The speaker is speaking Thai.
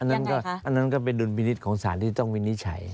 อันนั้นก็เป็นดุลพินิษฐ์ของสารที่ต้องวินิจฉัย